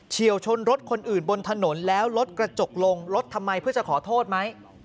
เชี่ยวชนรถคนอื่นบนถนนแล้วรถกระจกลงรถทำไมเพื่อจะขอโทษไหม